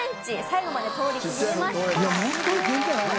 最後まで通りくぐれました。